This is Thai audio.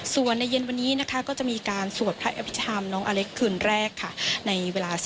และในเย็นวันนี้จะมีการสวดพระอาพิชธรรมน้องอเล็กคืนแรกในเวลา๑๙น